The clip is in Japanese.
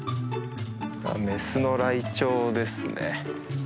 メスのライチョウですね。